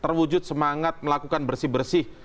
terwujud semangat melakukan bersih bersih